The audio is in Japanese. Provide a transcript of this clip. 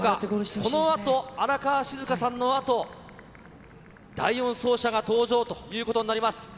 このあと、荒川静香さんのあと、第４走者が登場ということになります。